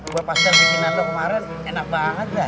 gue pas kan bikin nando kemarin enak banget dah